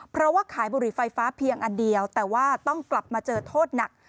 เพราะว่าขายบุหรี่ไฟฟ้าเพียงอันเดียวแต่ว่าต้องกลับมาเจอโทษหนัก